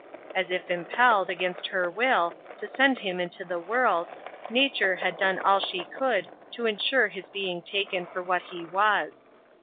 As if impelled, against her will, to send him into the world. Nature had done all she could to ensure his being taken for what he was.